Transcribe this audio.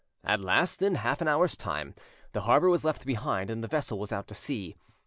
At last, in half an hour's time, the harbour was left behind; the vessel was out at sea.